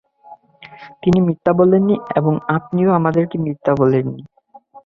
তিনি মিথ্যা বলেননি এবং আপনিও আমাদেরকে মিথ্যা বলেননি।